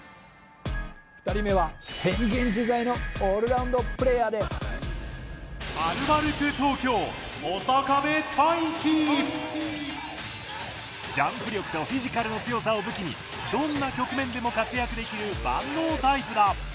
２人目はジャンプ力とフィジカルの強さを武器にどんな局面でも活躍できる万能タイプだ。